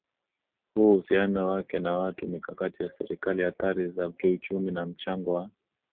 huu uhusiano wake na watu mikakati ya Serikali athari za kiuchumi na mchango wa